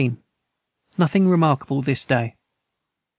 Nothing remarkable this day.